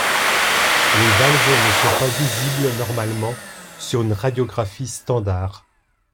Les valves ne sont pas visibles normalement sur une radiographie standard.